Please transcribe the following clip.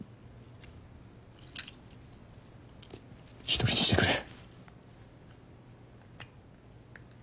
一人にしてくれ。